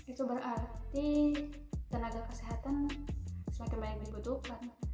itu berarti tenaga kesehatan semakin banyak dibutuhkan